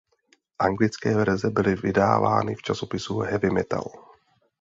Anglické verze byly vydávány v časopisu "Heavy Metal".